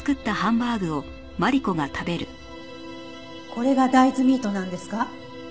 これが大豆ミートなんですか？